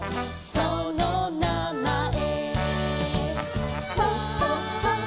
そのなまえ」